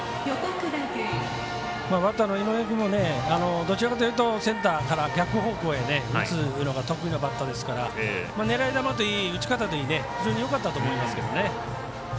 バッターの井上君もセンターから逆方向に打つのが得意なバッターですから狙い球といい打ち方といいよかったと思いますけどね。